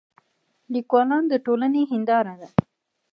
لیکوالان د ټولنې هنداره ده.